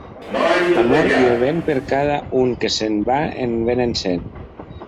L'amor i el vent, per cada un que se'n va en vénen cent.